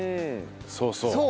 そうそう。